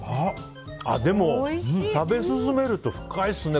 でも食べ進めると深いですね